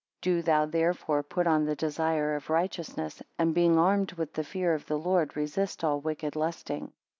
Do thou therefore put on the desire of righteousness, and being armed with the fear of the Lord resist all wicked lusting.